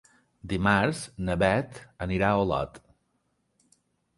Dimarts na Beth anirà a Olot.